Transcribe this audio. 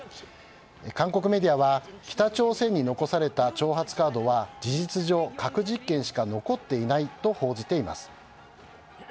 韓国メディアは北朝鮮に残された挑発カードは事実上、核実験しか残っていないと報じています。